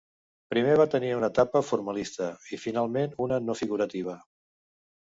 Primer va tenir una etapa formalista i finalment una no figurativa.